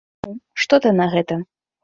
Ну, што ты на гэта?